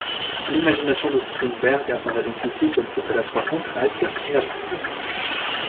L'imagination de Strindberg apparait donc ici comme tout à la fois concrète et abstraite.